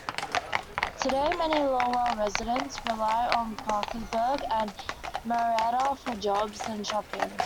Today many Lowell residents rely on Parkersburg and Marietta for jobs and shopping.